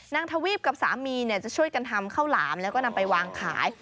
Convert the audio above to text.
ทวีปกับสามีจะช่วยกันทำข้าวหลามแล้วก็นำไปวางขาย